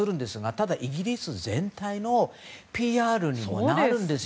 ただ、イギリス全体のＰＲにもなるんですよ。